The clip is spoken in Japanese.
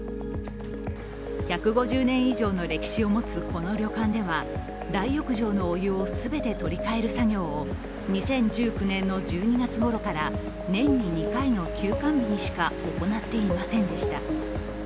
１５０年以上の歴史を持つこの旅館では大浴場のお湯を全て取り替える作業を２０１９年の１２月ごろから年に２回の休館日にしか行っていませんでした。